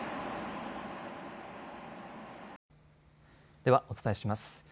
ではお伝えします。